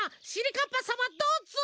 かっぱさまどうぞ！